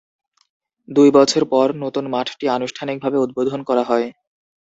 দুই বছর পর নতুন মাঠটি আনুষ্ঠানিকভাবে উদ্বোধন করা হয়।